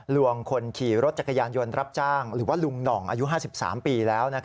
ลวงคนขี่รถจักรยานยนต์รับจ้างหรือว่าลุงหน่องอายุ๕๓ปีแล้ว